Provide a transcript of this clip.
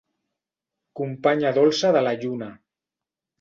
Companya dolça de la lluna.